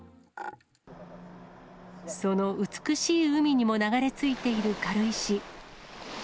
その美しい海にも流れ着いている軽石。